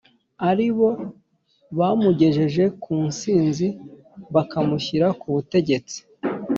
ari bo bamugejeje ku nsinzi bakamushyira ku butegetsi